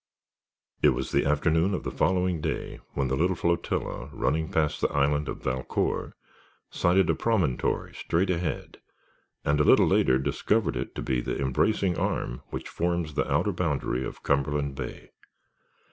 It was the afternoon of the following day when the little flotilla, running past the island of Valcour, sighted a promontory straight ahead and a little later discovered it to be the embracing arm which forms the outer boundary of Cumberland Bay.